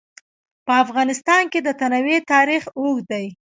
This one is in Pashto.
په افغانستان کې د تنوع تاریخ اوږد دی.